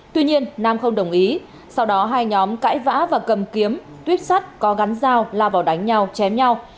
tuy nhiên nam không đồng ý sau đó hai nhóm cãi vã và cầm kiếm tuyếp sắt có gắn dao la vào đánh nhau chém nhau